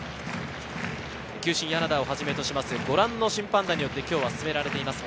球審・柳田をはじめとするご覧の審判団によって、今日は進められています。